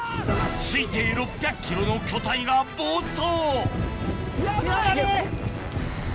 推定６００ｋｇの巨体が暴走！